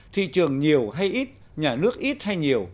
thị trường nhiều hay ít nhà nước ít hay nhiều